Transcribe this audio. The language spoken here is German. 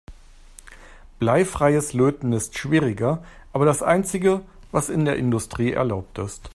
Bleifreies Löten ist schwieriger, aber das einzige, was in der Industrie erlaubt ist.